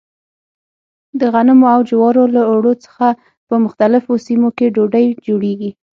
د غنمو او جوارو له اوړو څخه په مختلفو سیمو کې ډوډۍ جوړېږي.